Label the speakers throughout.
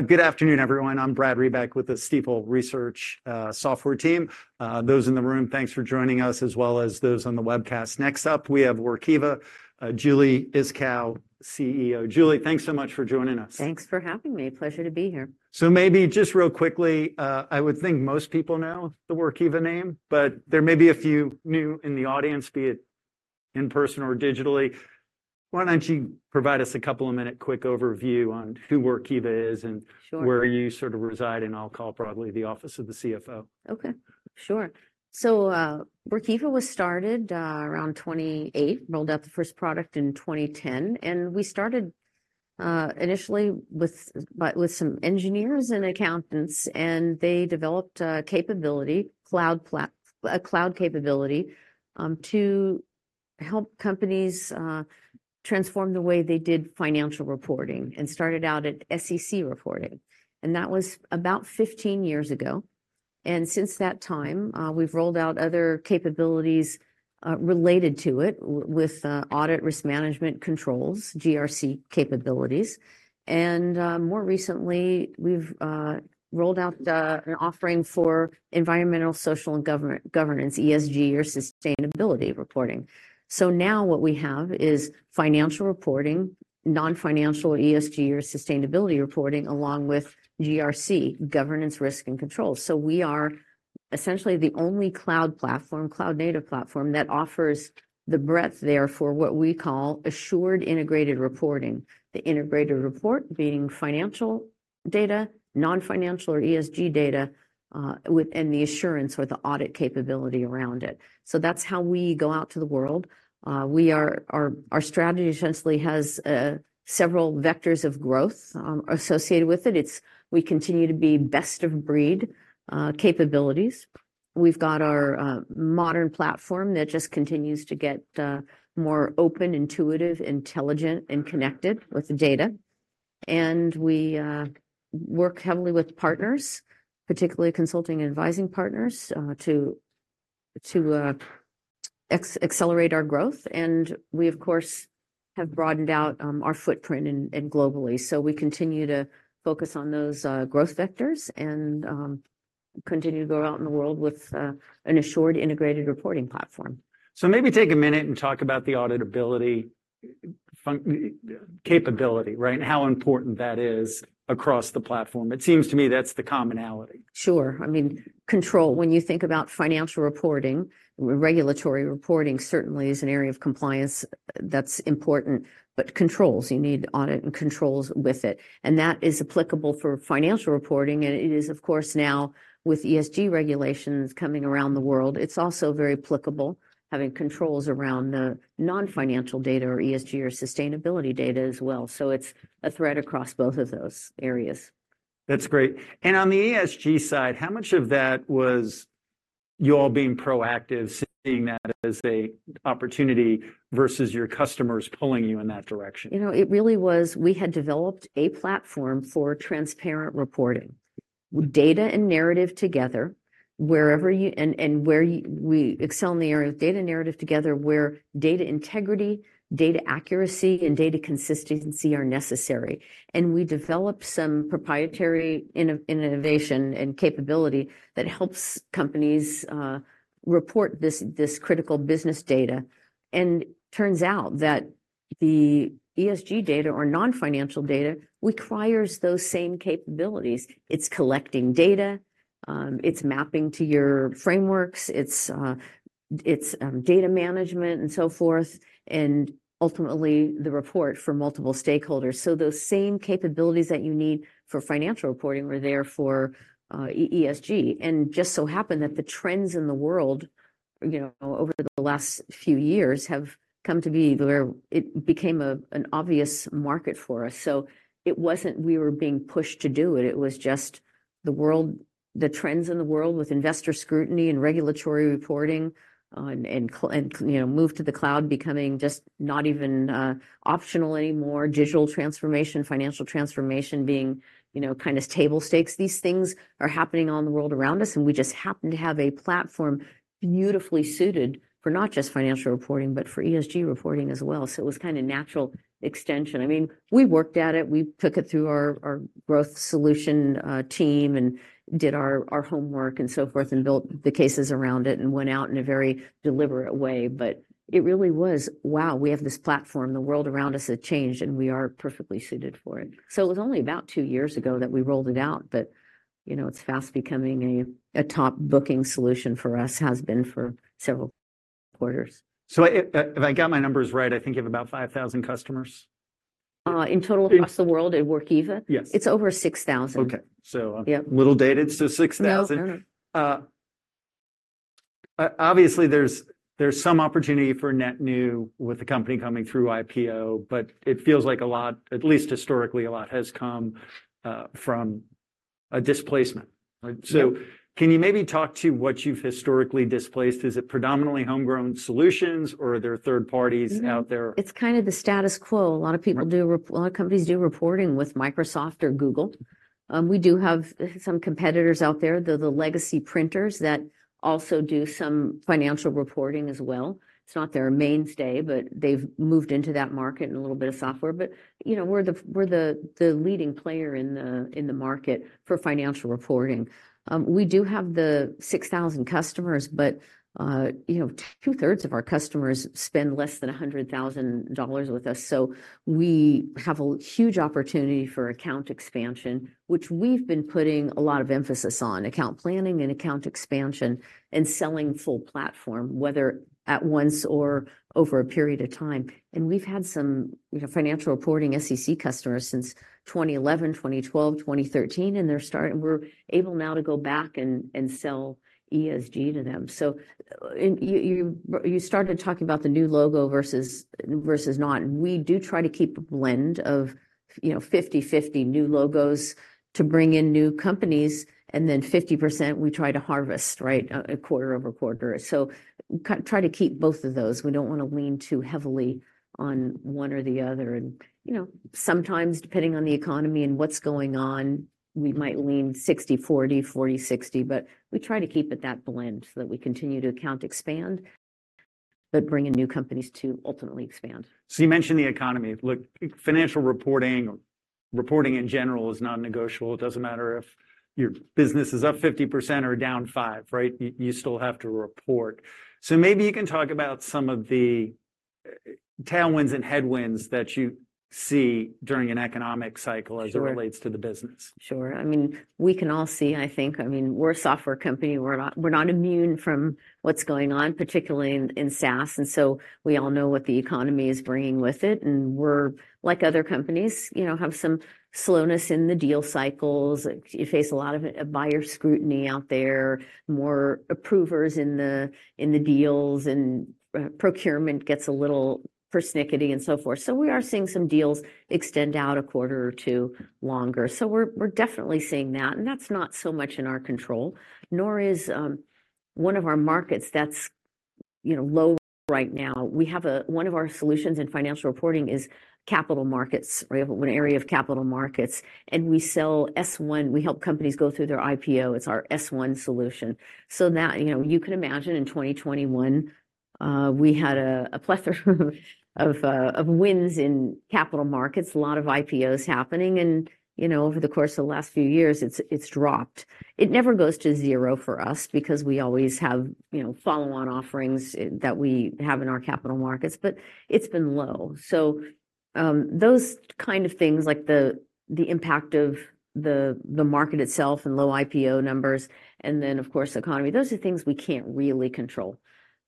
Speaker 1: Good afternoon, everyone. I'm Brad Reback with the Stifel Research software team. Those in the room, thanks for joining us, as well as those on the webcast. Next up, we have Workiva Julie Iskow, CEO. Julie, thanks so much for joining us.
Speaker 2: Thanks for having me. Pleasure to be here.
Speaker 1: So maybe just real quickly, I would think most people know the Workiva name, but there may be a few new in the audience, be it in person or digitally. Why don't you provide us a couple of minute quick overview on who Workiva is?
Speaker 2: Sure
Speaker 1: Where you sort of reside, and I'll call broadly the office of the CFO.
Speaker 2: Okay, sure. So, Workiva was started around 2008, rolled out the first product in 2010, and we started initially with some engineers and accountants, and they developed a capability, a cloud capability, to help companies transform the way they did financial reporting, and started out at SEC reporting, and that was about 15 years ago. And since that time, we've rolled out other capabilities related to it with audit risk management controls, GRC capabilities. And more recently, we've rolled out an offering for environmental, social and governance, ESG or sustainability reporting. So now what we have is financial reporting, non-financial ESG or sustainability reporting, along with GRC, governance, risk, and control. So we are essentially the only cloud platform, cloud-native platform, that offers the breadth there for what we call assured integrated reporting. The integrated report being financial data, non-financial or ESG data, with and the assurance or the audit capability around it. So that's how we go out to the world. Our strategy essentially has several vectors of growth associated with it. We continue to be best of breed capabilities. We've got our modern platform that just continues to get more open, intuitive, intelligent, and connected with the data. And we work heavily with partners, particularly consulting and advising partners, to accelerate our growth. And we, of course, have broadened out our footprint and globally. So we continue to focus on those growth vectors and continue to go out in the world with an assured integrated reporting platform.
Speaker 1: Maybe take a minute and talk about the auditability capability, right, and how important that is across the platform. It seems to me that's the commonality.
Speaker 2: Sure. I mean, control. When you think about financial reporting, regulatory reporting certainly is an area of compliance that's important, but controls, you need audit and controls with it. That is applicable for financial reporting. It is, of course, now with ESG regulations coming around the world, it's also very applicable, having controls around the non-financial data or ESG or sustainability data as well. It's a thread across both of those areas.
Speaker 1: That's great. On the ESG side, how much of that was you all being proactive, seeing that as an opportunity versus your customers pulling you in that direction?
Speaker 2: You know, it really was we had developed a platform for transparent reporting, data and narrative together, wherever you... And where we excel in the area of data narrative together, where data integrity, data accuracy, and data consistency are necessary. And we developed some proprietary innovation and capability that helps companies report this critical business data. And turns out that the ESG data or non-financial data requires those same capabilities. It's collecting data, it's mapping to your frameworks, it's data management and so forth, and ultimately the report for multiple stakeholders. So those same capabilities that you need for financial reporting were there for ESG. And just so happened that the trends in the world, you know, over the last few years have come to be where it became an obvious market for us. So it wasn't we were being pushed to do it, it was just the world, the trends in the world with investor scrutiny and regulatory reporting, and, you know, move to the cloud becoming just not even optional anymore. Digital transformation, financial transformation being, you know, kind of table stakes. These things are happening all in the world around us, and we just happen to have a platform beautifully suited for not just financial reporting, but for ESG reporting as well. So it was kind of natural extension. I mean, we worked at it, we took it through our growth solution team and did our homework and so forth, and built the cases around it and went out in a very deliberate way. But it really was, wow, we have this platform. The world around us has changed, and we are perfectly suited for it. It was only about two years ago that we rolled it out, but, you know, it's fast becoming a top booking solution for us. Has been for several quarters.
Speaker 1: So if, if I got my numbers right, I think you have about 5,000 customers?
Speaker 2: In total across the world at Workiva?
Speaker 1: Yes.
Speaker 2: It's over 6,000.
Speaker 1: Okay.
Speaker 2: Yep.
Speaker 1: So a little dated, so 6,000.
Speaker 2: No.
Speaker 1: Obviously there's some opportunity for net new with the company coming through IPO, but it feels like a lot - at least historically, a lot has come from a displacement, right? So can you maybe talk to what you've historically displaced? Is it predominantly homegrown solutions, or are there third parties out there?
Speaker 2: Mm-hmm. It's kind of the status quo. A lot of companies do reporting with Microsoft or Google. We do have some competitors out there, the legacy printers that also do some financial reporting as well. It's not their mainstay, but they've moved into that market and a little bit of software. But, you know, we're the leading player in the market for financial reporting. We do have the 6,000 customers, but, you know, two-thirds of our customers spend less than $100,000 with us. So we have a huge opportunity for account expansion, which we've been putting a lot of emphasis on: account planning and account expansion and selling full platform, whether at once or over a period of time. We've had some, you know, financial reporting SEC customers since 2011, 2012, 2013, and they're starting. We're able now to go back and sell ESG to them. So you started talking about the new logo versus not, and we do try to keep a blend of, you know, 50/50 new logos to bring in new companies, and then 50% we try to harvest, right, quarter-over-quarter. So try to keep both of those. We don't want to lean too heavily on one or the other. You know, sometimes, depending on the economy and what's going on, we might lean 60/40, 40/60, but we try to keep it that blend, so that we continue to account expand, but bring in new companies to ultimately expand.
Speaker 1: So you mentioned the economy. Look, financial reporting or reporting in general is non-negotiable. It doesn't matter if your business is up 50% or down 5, right? You still have to report. So maybe you can talk about some of the tailwinds and headwinds that you see during an economic cycle-
Speaker 2: Sure
Speaker 1: As it relates to the business.
Speaker 2: Sure. I mean, we can all see, I think... I mean, we're a software company. We're not, we're not immune from what's going on, particularly in, in SaaS, and so we all know what the economy is bringing with it, and we're like other companies, you know, have some slowness in the deal cycles. You face a lot of buyer scrutiny out there, more approvers in the, in the deals, and procurement gets a little persnickety, and so forth. So we are seeing some deals extend out a quarter or two longer. So we're, we're definitely seeing that, and that's not so much in our control, nor is one of our markets that's, you know, low right now. We have one of our solutions in financial reporting is capital markets. We have an area of capital markets, and we sell S-1. We help companies go through their IPO. It's our S1 solution. So that, you know, you can imagine in 2021, we had a, a plethora of, of wins in capital markets, a lot of IPOs happening and, you know, over the course of the last few years, it's, it's dropped. It never goes to zero for us because we always have, you know, follow-on offerings that we have in our capital markets, but it's been low. So, those kind of things, like the, the impact of the, the market itself and low IPO numbers, and then, of course, economy, those are things we can't really control.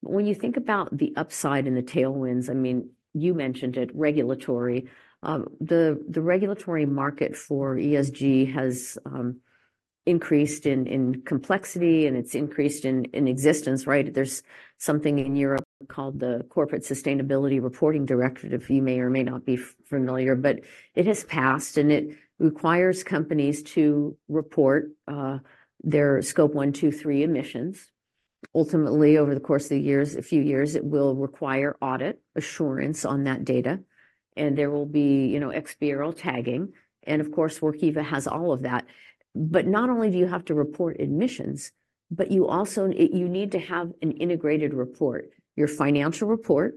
Speaker 2: But when you think about the upside and the tailwinds, I mean, you mentioned it, regulatory. The, the regulatory market for ESG has, increased in, in complexity, and it's increased in, in existence, right? There's something in Europe called the Corporate Sustainability Reporting Directive. You may or may not be familiar, but it has passed, and it requires companies to report their Scope 1, 2, 3 emissions. Ultimately, over the course of the years, a few years, it will require audit assurance on that data, and there will be, you know, XBRL tagging, and of course, Workiva has all of that. But not only do you have to report emissions, but you also you need to have an integrated report, your financial report.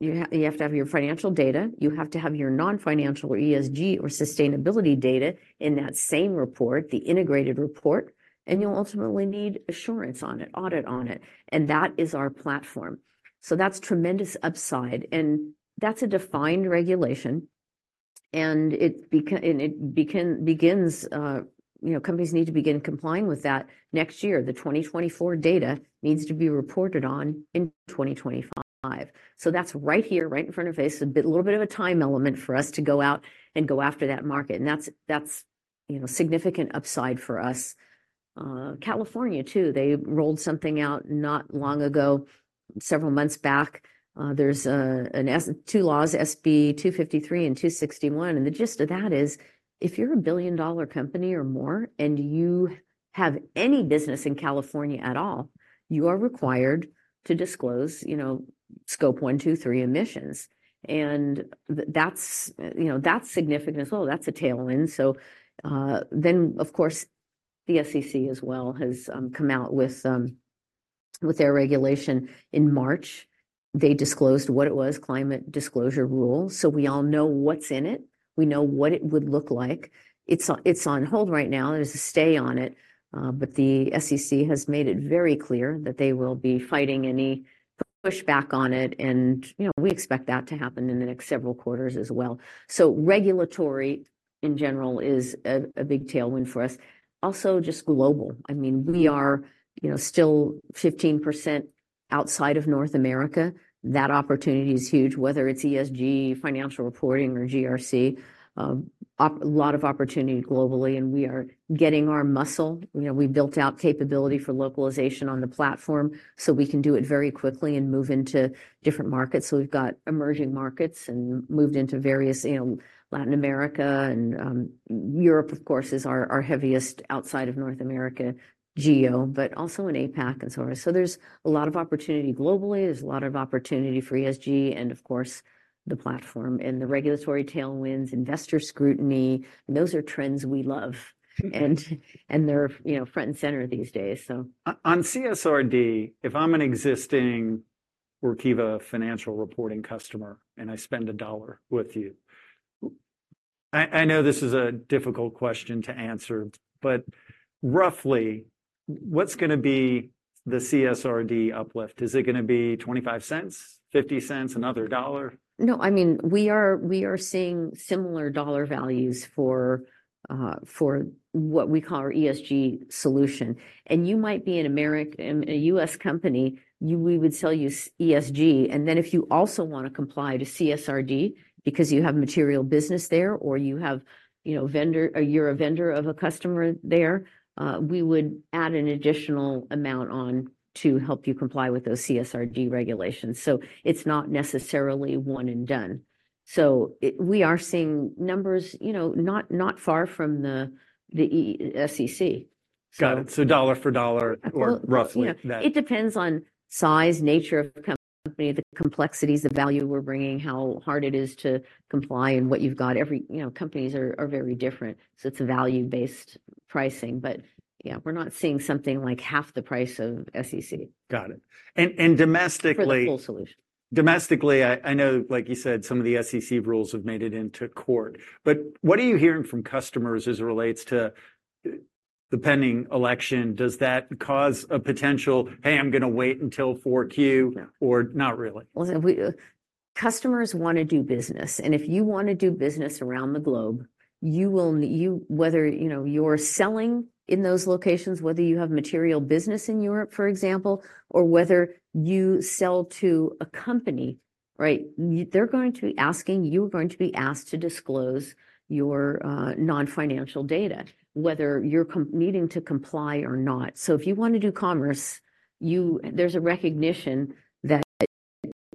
Speaker 2: You have, you have to have your financial data, you have to have your non-financial or ESG or sustainability data in that same report, the integrated report, and you'll ultimately need assurance on it, audit on it, and that is our platform. So that's tremendous upside, and that's a defined regulation, and it begins, you know, companies need to begin complying with that next year. The 2024 data needs to be reported on in 2025. So that's right here, right in front of us, a little bit of a time element for us to go out and go after that market, and that's, that's, you know, significant upside for us. California, too, they rolled something out not long ago, several months back. There's SB 253 and 261, and the gist of that is, if you're a billion-dollar company or more and you have any business in California at all, you are required to disclose, you know, scope 1, 2, 3 emissions. And that's, you know, that's significant as well. That's a tailwind. So, then, of course, the SEC as well has come out with their regulation. In March, they disclosed what it was, climate disclosure rule, so we all know what's in it. We know what it would look like. It's on, it's on hold right now. There's a stay on it, but the SEC has made it very clear that they will be fighting any pushback on it, and, you know, we expect that to happen in the next several quarters as well. So regulatory, in general, is a big tailwind for us. Also, just global. I mean, we are, you know, still 15% outside of North America, that opportunity is huge, whether it's ESG, financial reporting, or GRC. A lot of opportunity globally, and we are getting our muscle. You know, we built out capability for localization on the platform, so we can do it very quickly and move into different markets. So we've got emerging markets and moved into various, you know, Latin America and, Europe, of course, is our, our heaviest outside of North America geo, but also in APAC and so on. So there's a lot of opportunity globally. There's a lot of opportunity for ESG and of course, the platform and the regulatory tailwinds, investor scrutiny, and those are trends we love. And, they're, you know, front and center these days, so.
Speaker 1: On CSRD, if I'm an existing Workiva financial reporting customer, and I spend $1 with you, I know this is a difficult question to answer, but roughly, what's gonna be the CSRD uplift? Is it gonna be $0.25, $0.50, another $1?
Speaker 2: No. I mean, we are seeing similar dollar values for what we call our ESG solution. And you might be an American, a US company, we would sell you ESG. And then, if you also wanna comply to CSRD because you have material business there, or you have, you know, vendor, or you're a vendor of a customer there, we would add an additional amount on to help you comply with those CSRD regulations. So it's not necessarily one and done. So we are seeing numbers, you know, not far from the SEC.
Speaker 1: Got it. So dollar for dollar-
Speaker 2: Well-
Speaker 1: or roughly that.
Speaker 2: It depends on size, nature of the company, the complexities, the value we're bringing, how hard it is to comply, and what you've got. Every, you know, companies are very different, so it's a value-based pricing. But yeah, we're not seeing something like half the price of SEC.
Speaker 1: Got it. And domestically-
Speaker 2: For the full solution.
Speaker 1: Domestically, I know, like you said, some of the SEC rules have made it into court. But what are you hearing from customers as it relates to the pending election? Does that cause a potential, "Hey, I'm gonna wait until 4Q"-
Speaker 2: No.
Speaker 1: or not really?
Speaker 2: Well, Customers wanna do business, and if you wanna do business around the globe, you will, whether, you know, you're selling in those locations, whether you have material business in Europe, for example, or whether you sell to a company, right? They're going to be asking, you are going to be asked to disclose your non-financial data, whether you're needing to comply or not. So if you wanna do commerce, there's a recognition that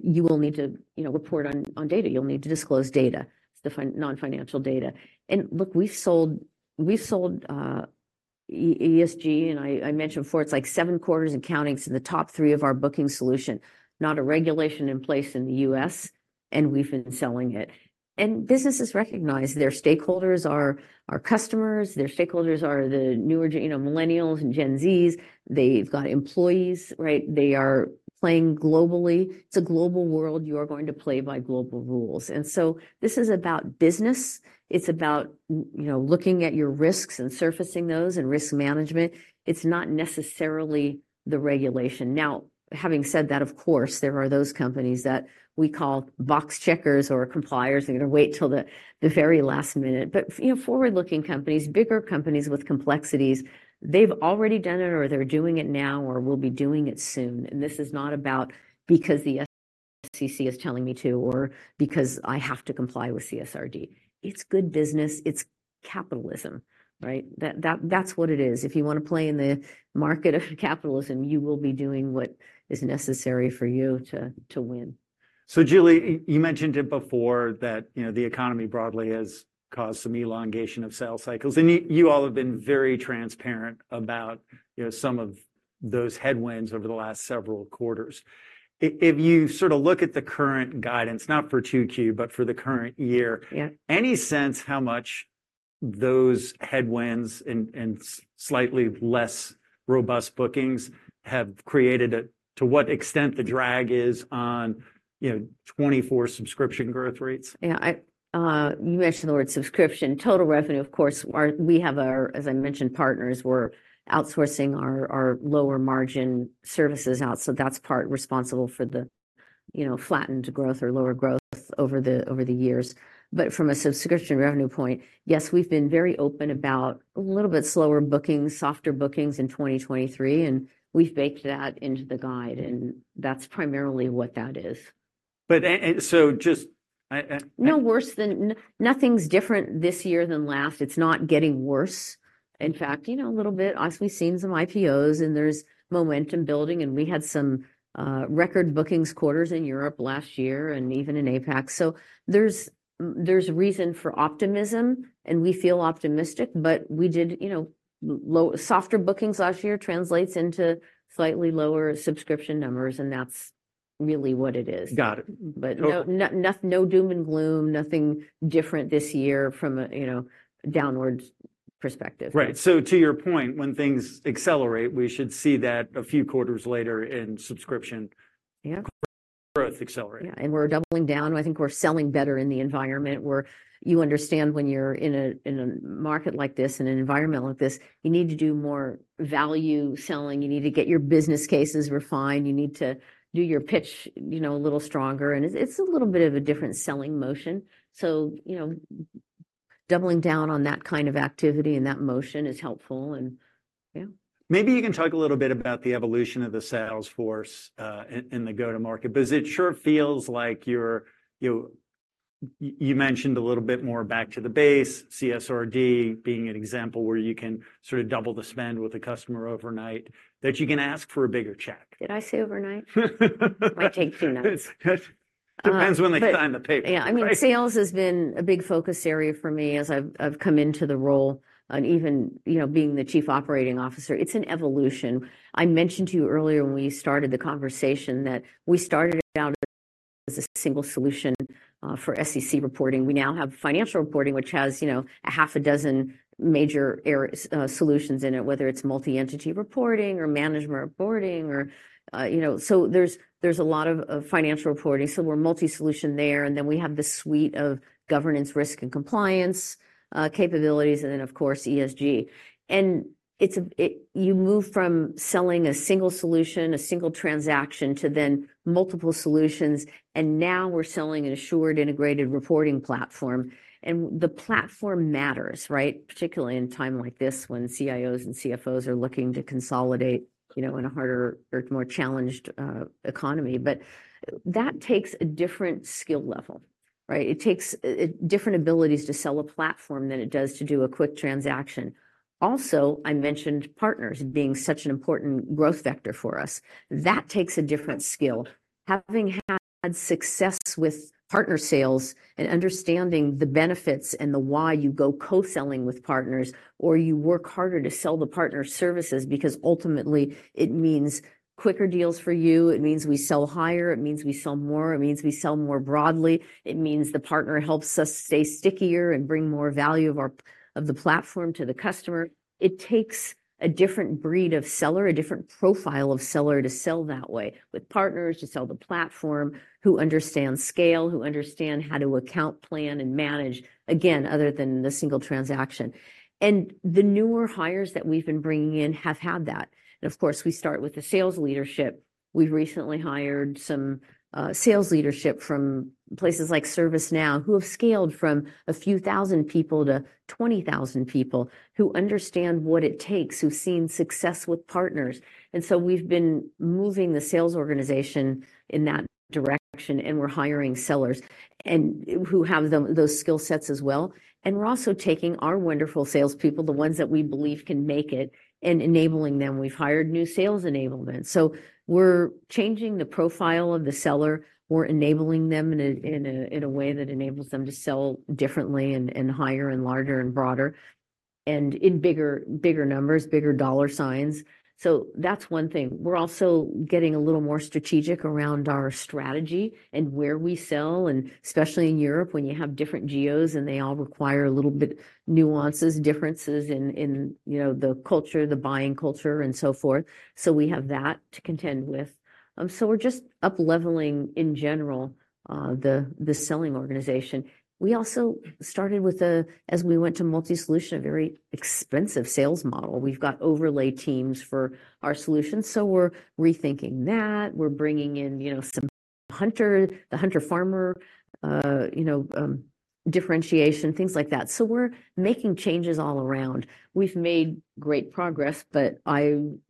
Speaker 2: you will need to, you know, report on data. You'll need to disclose data, the non-financial data. And look, we've sold ESG, and I mentioned before, it's like seven quarters and counting, so the top three of our booking solution, not a regulation in place in the US, and we've been selling it. Businesses recognize their stakeholders are our customers, their stakeholders are the newer, you know, millennials and Gen Zs. They've got employees, right? They are playing globally. It's a global world. You are going to play by global rules. And so this is about business. It's about, you know, looking at your risks and surfacing those and risk management. It's not necessarily the regulation. Now, having said that, of course, there are those companies that we call box checkers or compliers. They're gonna wait till the very last minute. But, you know, forward-looking companies, bigger companies with complexities, they've already done it, or they're doing it now or will be doing it soon. And this is not about because the SEC is telling me to or because I have to comply with CSRD. It's good business. It's capitalism, right? That, that's what it is. If you wanna play in the market of capitalism, you will be doing what is necessary for you to win.
Speaker 1: So, Julie, you mentioned it before, that, you know, the economy broadly has caused some elongation of sales cycles. And you all have been very transparent about, you know, some of those headwinds over the last several quarters. If you sort of look at the current guidance, not for 2Q, but for the current year-
Speaker 2: Yeah
Speaker 1: Any sense how much those headwinds and slightly less robust bookings have created to what extent the drag is on, you know, '2024 subscription growth rates?
Speaker 2: Yeah, I, you mentioned the word subscription. Total revenue, of course, are, we have our, as I mentioned, partners. We're outsourcing our lower margin services out, so that's part responsible for the, you know, flattened growth or lower growth over the years. But from a subscription revenue point, yes, we've been very open about a little bit slower bookings, softer bookings in 2023, and we've baked that into the guide, and that's primarily what that is.
Speaker 1: But and so just, I
Speaker 2: No worse than nothing's different this year than last. It's not getting worse. In fact, you know, a little bit, honestly, we've seen some IPOs, and there's momentum building, and we had some record bookings quarters in Europe last year and even in APAC. So there's reason for optimism, and we feel optimistic, but we did, you know, softer bookings last year translates into slightly lower subscription numbers, and that's really what it is.
Speaker 1: Got it.
Speaker 2: But-
Speaker 1: Oh-
Speaker 2: Nothing, no doom and gloom, nothing different this year from a, you know, downwards perspective.
Speaker 1: Right. So to your point, when things accelerate, we should see that a few quarters later in subscription-
Speaker 2: Yeah
Speaker 1: Growth accelerating.
Speaker 2: Yeah, and we're doubling down. I think we're selling better in the environment, where you understand when you're in a, in a market like this and an environment like this, you need to do more value selling. You need to get your business cases refined. You need to do your pitch, you know, a little stronger, and it's, it's a little bit of a different selling motion. So, you know, doubling down on that kind of activity and that motion is helpful, and yeah.
Speaker 1: Maybe you can talk a little bit about the evolution of the sales force in the go-to-market. Because it sure feels like you mentioned a little bit more back to the base, CSRD being an example where you can sort of double the spend with a customer overnight, that you can ask for a bigger check.
Speaker 2: Did I say overnight? I take two notes.
Speaker 1: Depends when they sign the paper.
Speaker 2: Yeah, I mean, sales has been a big focus area for me as I've, I've come into the role and even, you know, being the chief operating officer. It's an evolution. I mentioned to you earlier when we started the conversation that we started out as a single solution for SEC reporting. We now have financial reporting, which has, you know, a half a dozen major areas, solutions in it, whether it's multi-entity reporting or management reporting or. You know, so there's, there's a lot of, of financial reporting, so we're multi-solution there. And then we have the suite of governance, risk and compliance capabilities, and then, of course, ESG. And it's a, You move from selling a single solution, a single transaction, to then multiple solutions, and now we're selling an assured integrated reporting platform. And the platform matters, right? Particularly in a time like this, when CIOs and CFOs are looking to consolidate, you know, in a harder or more challenged economy. But that takes a different skill level, right? It takes different abilities to sell a platform than it does to do a quick transaction. Also, I mentioned partners being such an important growth vector for us. That takes a different skill. Having had success with partner sales and understanding the benefits and the why you go co-selling with partners, or you work harder to sell the partner services, because ultimately it means quicker deals for you. It means we sell higher, it means we sell more, it means we sell more broadly. It means the partner helps us stay stickier and bring more value of our platform to the customer. It takes a different breed of seller, a different profile of seller, to sell that way, with partners, to sell the platform, who understand scale, who understand how to account plan and manage, again, other than the single transaction. The newer hires that we've been bringing in have had that. Of course, we start with the sales leadership. We've recently hired some sales leadership from places like ServiceNow, who have scaled from a few thousand people to 20,000 people, who understand what it takes, who've seen success with partners. We've been moving the sales organization in that direction, and we're hiring sellers who have them, those skill sets as well. We're also taking our wonderful salespeople, the ones that we believe can make it, and enabling them. We've hired new sales enablement. We're changing the profile of the seller. We're enabling them in a way that enables them to sell differently and higher and larger and broader, and in bigger numbers, bigger dollar signs. So that's one thing. We're also getting a little more strategic around our strategy and where we sell, and especially in Europe, when you have different geos and they all require a little bit nuances, differences in you know, the culture, the buying culture and so forth. So we have that to contend with. So we're just upleveling, in general, the selling organization. We also started with, as we went to multi-solution, a very expensive sales model. We've got overlay teams for our solutions, so we're rethinking that. We're bringing in, you know, some hunter, the hunter-farmer, differentiation, things like that. So we're making changes all around. We've made great progress, but I...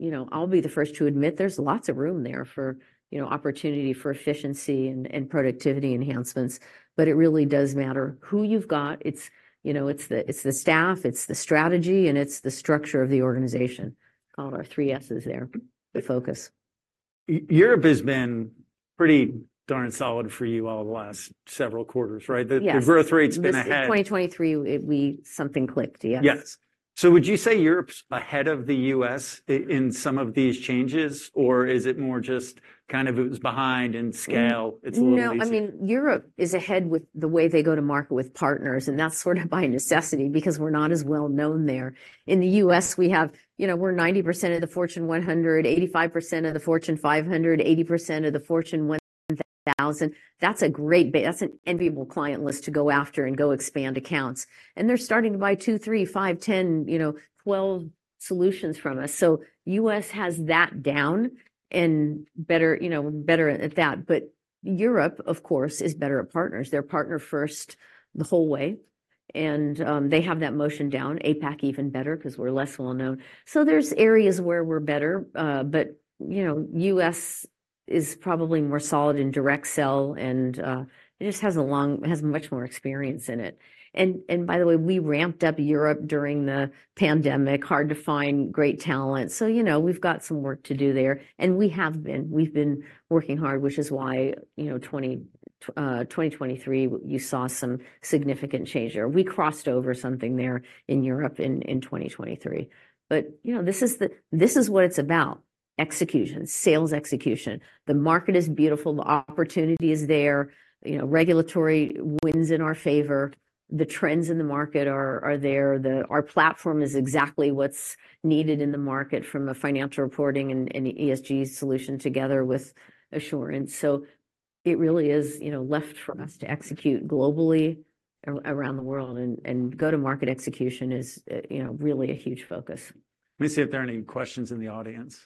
Speaker 2: You know, I'll be the first to admit there's lots of room there for, you know, opportunity for efficiency and productivity enhancements. But it really does matter who you've got. It's, you know, it's the staff, it's the strategy, and it's the structure of the organization. All of our three S's there, the focus.
Speaker 1: Europe has been pretty darn solid for you all the last several quarters, right?
Speaker 2: Yes.
Speaker 1: The growth rate's been ahead.
Speaker 2: 2023... Something clicked, yes.
Speaker 1: Yes. So would you say Europe's ahead of the U.S. in some of these changes, or is it more just kind of it was behind in scale-
Speaker 2: No.
Speaker 1: It's a little easier?
Speaker 2: I mean, Europe is ahead with the way they go to market with partners, and that's sort of by necessity, because we're not as well known there. In the US, we have... You know, we're 90% of the Fortune 100, 85% of the Fortune 500, 80% of the Fortune 1000. That's an enviable client list to go after and go expand accounts. And they're starting to buy two, three, five, 10, you know, 12 solutions from us. So US has that down and better, you know, better at that. But Europe, of course, is better at partners. They're partner first the whole way, and, they have that motion down. APAC, even better, 'cause we're less well known. So there's areas where we're better, but, you know, US is probably more solid in direct sell, and, it just has a long- it has much more experience in it. And by the way, we ramped up Europe during the pandemic. Hard to find great talent, so, you know, we've got some work to do there, and we have been. We've been working hard, which is why, you know, 2023, you saw some significant change there. We crossed over something there in Europe in 2023. But, you know, this is what it's about: execution, sales execution. The market is beautiful, the opportunity is there. You know, regulatory wins in our favor. The trends in the market are there. Our platform is exactly what's needed in the market from a financial reporting and ESG solution together with assurance. So it really is, you know, left for us to execute globally around the world, and go-to-market execution is, you know, really a huge focus.
Speaker 1: Let me see if there are any questions in the audience.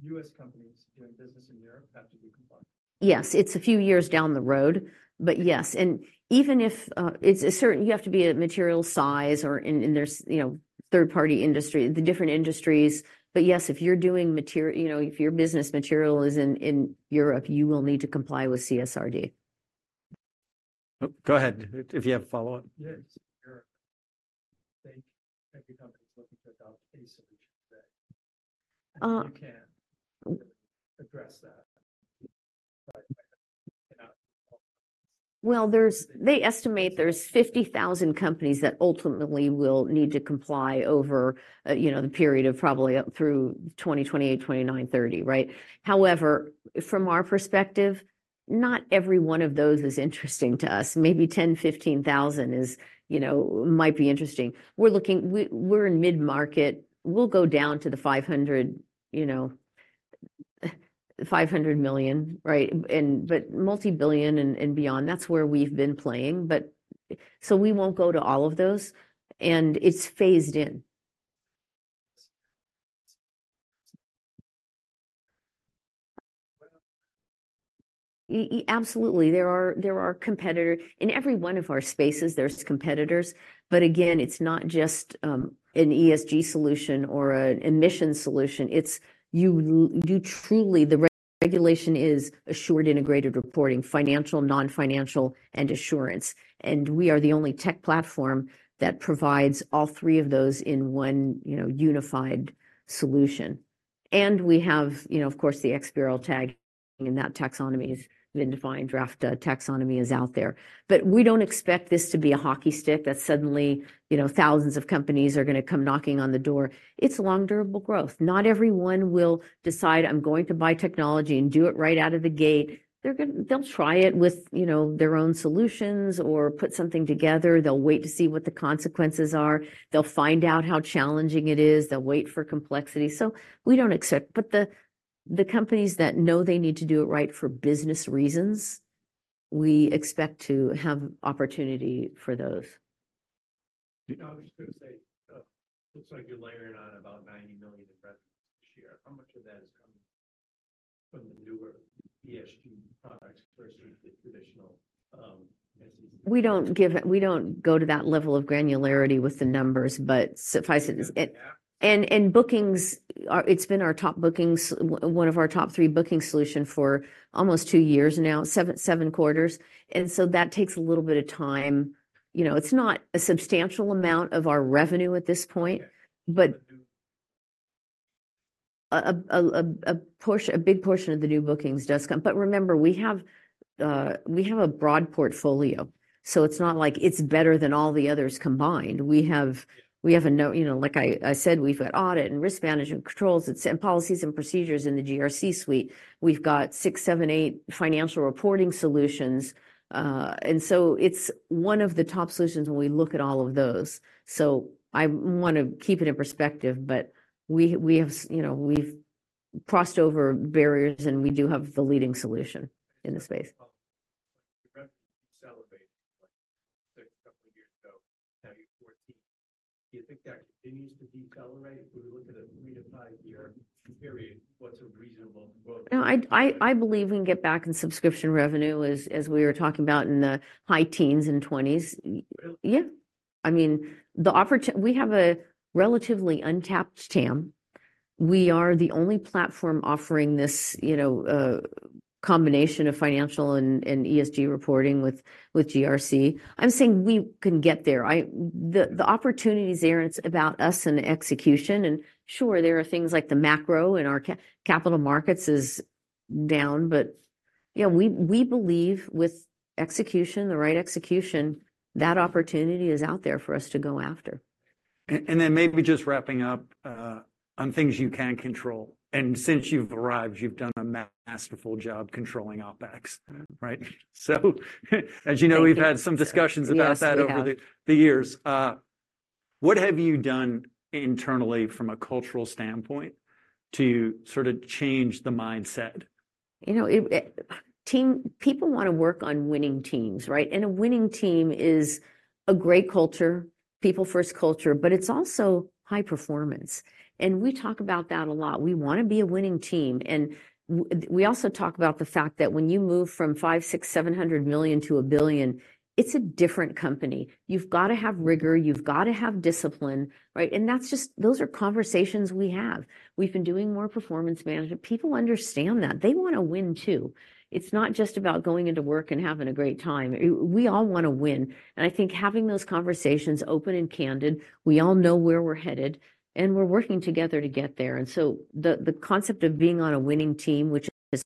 Speaker 3: Yes, sir. U.S. companies doing business in Europe have to be compliant?
Speaker 2: Yes, it's a few years down the road, but yes, and even if it's a certain. You have to be a material size, or, and there's, you know, third-party industry, the different industries. But yes, if you're doing material, you know, if your business material is in Europe, you will need to comply with CSRD.
Speaker 1: Oh, go ahead, if you have a follow-up.
Speaker 3: Yes, Europe, I think every company is looking to adopt a solution that-
Speaker 2: Uh
Speaker 3: - you can address that.
Speaker 2: Well, they estimate there's 50,000 companies that ultimately will need to comply over, you know, the period of probably up through 2028, 2029, 2030, right? However, from our perspective, not every one of those is interesting to us. Maybe 10,000-15,000 is, you know, might be interesting. We're looking... We're in mid-market. We'll go down to the $500, you know, $500 million, right? And, but multi-billion and, and beyond, that's where we've been playing. But, so we won't go to all of those, and it's phased in. Absolutely. There are competitors in every one of our spaces, but again, it's not just an ESG solution or an emissions solution. It's you, you truly, the regulation is assured integrated reporting, financial, non-financial, and assurance, and we are the only tech platform that provides all three of those in one, you know, unified solution. We have, you know, of course, the XBRL tag, and that taxonomy is the defined draft taxonomy is out there. But we don't expect this to be a hockey stick that suddenly, you know, thousands of companies are going to come knocking on the door. It's long, durable growth. Not everyone will decide: I'm going to buy technology and do it right out of the gate. They'll try it with, you know, their own solutions or put something together. They'll wait to see what the consequences are. They'll find out how challenging it is. They'll wait for complexity. But the companies that know they need to do it right for business reasons, we expect to have opportunity for those.
Speaker 3: You know, I was just going to say, looks like you're layering on about $90 million in revenue this year. How much of that is coming from the newer ESG products versus the traditional SEC?
Speaker 2: We don't give, we don't go to that level of granularity with the numbers, but suffice it-
Speaker 3: Yeah.
Speaker 2: Bookings are. It's been our top bookings, one of our top three booking solution for almost two years now, seven quarters, and so that takes a little bit of time. You know, it's not a substantial amount of our revenue at this point-
Speaker 3: Yeah
Speaker 2: But a portion, a big portion of the new bookings does come. But remember, we have, we have a broad portfolio, so it's not like it's better than all the others combined. We have, we have. You know, like I said, we've got audit and risk management controls, and policies and procedures in the GRC suite. We've got six, seven, eight financial reporting solutions. And so it's one of the top solutions when we look at all of those. So I want to keep it in perspective, but we, we have, you know, we've crossed over barriers, and we do have the leading solution in the space.
Speaker 3: Accelerated, like, 6, couple of years ago, now you're 14. Do you think that continues to decelerate when we look at a 3-5-year period? What's a reasonable growth?
Speaker 2: No, I believe we can get back in subscription revenue as we were talking about in the high teens and twenties.
Speaker 3: Really?
Speaker 2: Yeah. I mean, we have a relatively untapped TAM. We are the only platform offering this, you know, combination of financial and ESG reporting with GRC. I'm saying we can get there. The opportunity's there, and it's about us and execution, and sure, there are things like the macro and our capital markets is down, but yeah, we believe with execution, the right execution, that opportunity is out there for us to go after.
Speaker 1: and then maybe just wrapping up, on things you can control, and since you've arrived, you've done a masterful job controlling OpEx, right? So, as you know-
Speaker 2: Thank you
Speaker 1: We've had some discussions about that-
Speaker 2: Yes, we have.
Speaker 1: Over the years. What have you done internally from a cultural standpoint to sort of change the mindset?
Speaker 2: You know, team People want to work on winning teams, right? And a winning team is a great culture, people first culture, but it's also high performance, and we talk about that a lot. We want to be a winning team, and we also talk about the fact that when you move from $500 million, $600 million, $700 million to $1 billion, it's a different company. You've got to have rigor, you've got to have discipline, right? And that's just, those are conversations we have. We've been doing more performance management. People understand that. They want to win, too. It's not just about going into work and having a great time. We all want to win, and I think having those conversations open and candid, we all know where we're headed, and we're working together to get there. The concept of being on a winning team, which is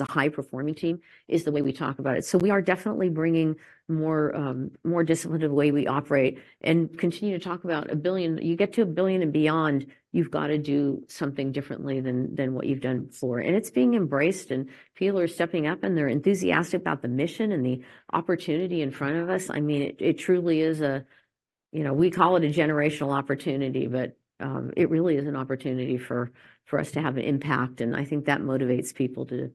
Speaker 2: a high-performing team, is the way we talk about it. We are definitely bringing more discipline to the way we operate and continue to talk about $1 billion. You get to $1 billion and beyond, you've got to do something differently than what you've done before. It's being embraced, and people are stepping up, and they're enthusiastic about the mission and the opportunity in front of us. I mean, it truly is a, you know, we call it a generational opportunity, but it really is an opportunity for us to have an impact, and I think that motivates people to,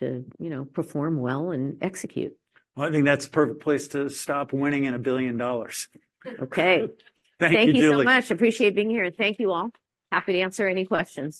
Speaker 2: you know, perform well and execute.
Speaker 1: Well, I think that's a perfect place to stop, winning and $1 billion.
Speaker 2: Okay.
Speaker 1: Thank you, Julie.
Speaker 2: Thank you so much. Appreciate being here, and thank you all. Happy to answer any questions.